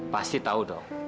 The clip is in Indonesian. pasti tahu dok